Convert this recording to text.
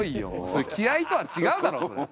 それ気合いとは違うだろそれ。